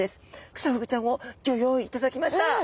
クサフグちゃんをギョ用意いただきました！